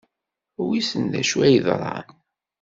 Wissen d acu ay yeḍran.